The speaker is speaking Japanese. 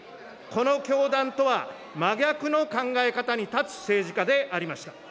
この教団とは、真逆の考え方に立つ政治家でありました。